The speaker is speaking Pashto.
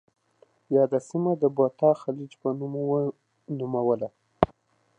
یاده سیمه د بوتا خلیج په نوم ونوموله.